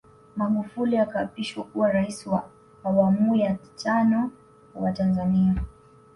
Magufuli akaapishwa kuwa Rais wa Awamuya Tano wa Tanzania